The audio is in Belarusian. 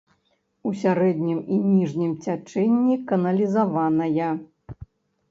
У сярэднім і ніжнім цячэнні каналізаваная.